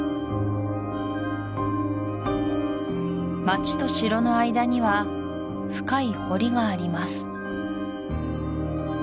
街と城の間には深い堀があります